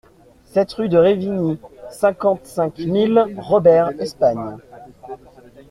sept rue de Revigny, cinquante-cinq mille Robert-Espagne